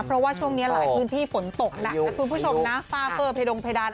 เพราะว่าช่วงนี้หลายพื้นที่ฝนตกหนักนะคุณผู้ชมนะฝ้าเฟอร์เพดงเพดาน